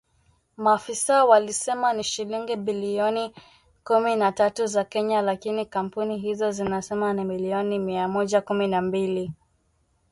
Maafisa walisema ni shilingi bilioni kumi na tatu za Kenya, lakini kampuni hizo zinasema ni milioni mia moja kumi na mbili